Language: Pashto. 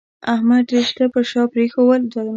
احمد ډېر شته پر شا پرېښول